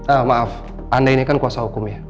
ah maaf anda ini kan kuasa hukumnya